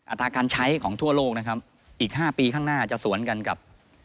ตราการใช้ของทั่วโลกนะครับอีก๕ปีข้างหน้าจะสวนกันกับ